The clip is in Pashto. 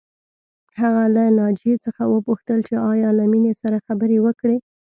هغه له ناجیې څخه وپوښتل چې ایا له مينې سره خبرې وکړې